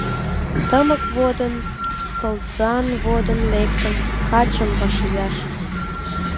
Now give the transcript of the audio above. Тымык водын, тылзан водын Лектым качым вашлияш.